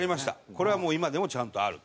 これはもう今でもちゃんとあると。